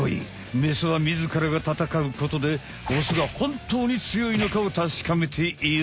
メスはみずからが戦うことでオスがほんとうに強いのかをたしかめている。